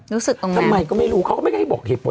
รอบใหม่ก็ไม่รู้เขาก็ไม่ได้บอกเหตุผล